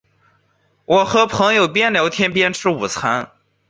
我和朋友边聊天边吃午餐